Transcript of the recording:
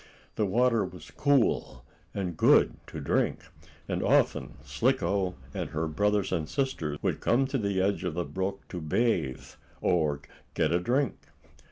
The water was cool, and good to drink, and often Slicko, and her brothers and sister, would come to the edge of the brook to bathe, or get a drink.